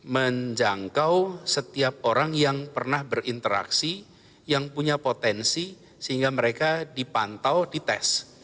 menjangkau setiap orang yang pernah berinteraksi yang punya potensi sehingga mereka dipantau dites